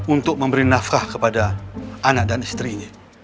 untuk memberi nafkah kepada anak dan istrinya